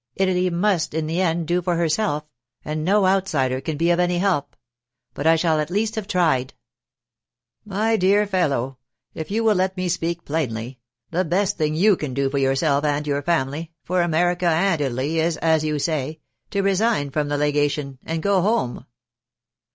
Italy must in the end do for herself, and no outsider can be of any help—but I shall at least have tried.' 'My dear fellow, if you will let me speak plainly, the best thing you can do for yourself and your family, for America and Italy, is, as you say, to resign from the legation—and go home.